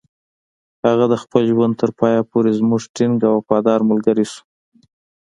هغه د خپل ژوند تر پایه پورې زموږ ټینګ او وفادار ملګری شو.